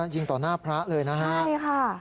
ยิงต่อหน้าพระเลยนะครับ